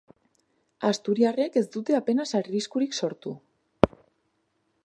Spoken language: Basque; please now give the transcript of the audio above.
Asturiarrek ez dute apenas arriskurik sortu.